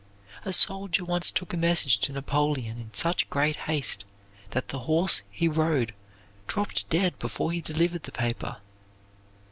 A soldier once took a message to Napoleon in such great haste that the horse he rode dropped dead before he delivered the paper.